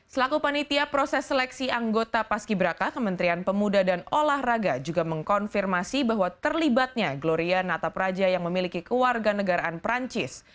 selaku panitia proses seleksi anggota paski braka kementerian pemuda dan olahraga juga mengkonfirmasi bahwa terlibatnya gloria natapraja yang memiliki keluarga negaraan perancis